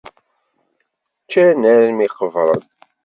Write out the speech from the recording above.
Ččan armi i qebren.